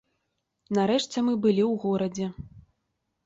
Нарэшце мы былі ў горадзе.